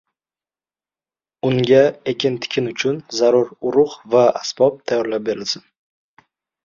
unga ekin-tikin uchun zarur urug‘ va asbob tayyorlab berilsin.